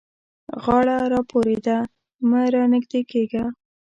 غاړه را پورې ده؛ مه رانږدې کېږه.